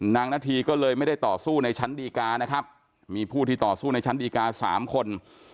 นาธีก็เลยไม่ได้ต่อสู้ในชั้นดีการนะครับมีผู้ที่ต่อสู้ในชั้นดีการ์๓คน